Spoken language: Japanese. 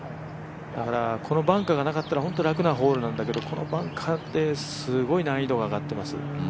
だからこのバンカーがなかったら本当楽なホールなんだけどこのバンカーですごい難易度が上がってます。